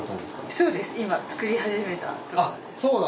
そうです今作り始めたところ。